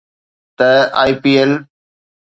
ته IPL